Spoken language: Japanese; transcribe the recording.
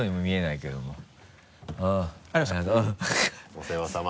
お世話さま。